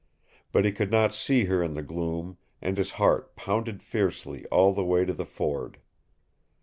But he could not see her in the gloom, and his heart pounded fiercely all the way to the ford.